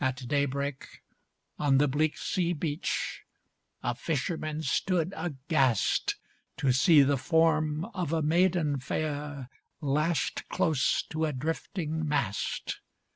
At daybreak, on the bleak sea beach, A fisherman stood aghast, To see the form of a maiden fair, Lashed close to a drifting mast.